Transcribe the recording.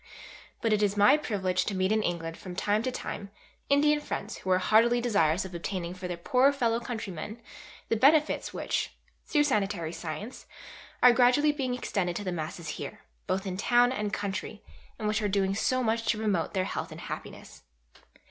But it is my privilege to meet in England from time to time Indian friends who are heartily desirous of obtaining for their poorer fellow countrymen the benefits which, through sanitary science, are gradually being extended to the masses here, both in town and country, and which are doing so much to promote their health and happiness.